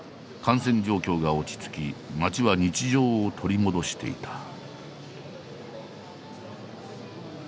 感染状況が落ち着き街は日常を取り戻していた。